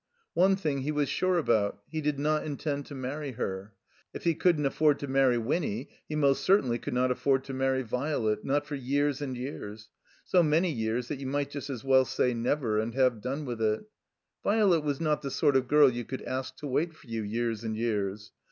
One thing he was sure about. He did not intend to marry her. If he couldn't afford to marry Winny he most certainly could not afford to marry Violet, not for years and years, so many years that you might just as well say never, and have done with it. Violet was not the sort of girl you could ask to wait for you years and years.